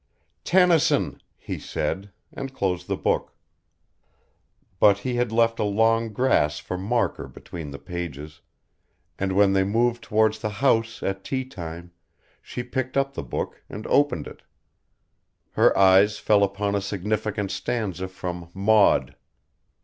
"Tennyson," he said, and closed the book. But he had left a long grass for marker between the pages, and when they moved towards the house at tea time she picked up the book and opened it. Her eyes fell upon a significant stanza from "Maud."